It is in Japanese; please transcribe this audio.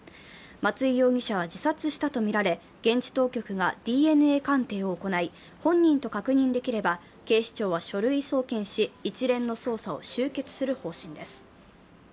松井容疑者は自殺したとみられ現地当局がＤＮＡ鑑定を行い、本人と確認できれば警視庁は書類送検し一連の捜査を終結する方針です。